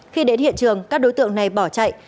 khi đến hiện trường các đối tượng này bỏ chạy